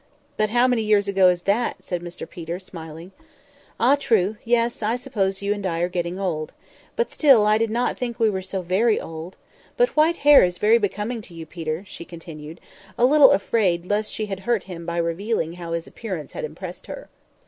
"But how many years ago is that?" said Mr Peter, smiling. "Ah, true! yes, I suppose you and I are getting old. But still I did not think we were so very old! But white hair is very becoming to you, Peter," she continued—a little afraid lest she had hurt him by revealing how his appearance had impressed her.